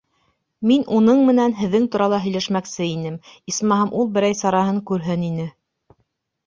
Мин уның менән һеҙҙең турала һөйләшмәксе инем, исмаһам, ул берәй сараһын күрһен ине...